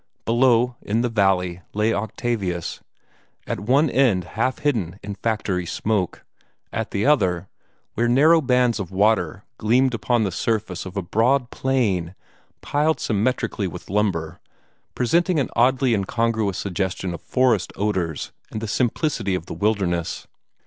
Below, in the valley, lay Octavius, at one end half hidden in factory smoke, at the other, where narrow bands of water gleamed upon the surface of a broad plain piled symmetrically with lumber, presenting an oddly incongruous suggestion of forest odors and the simplicity of the wilderness.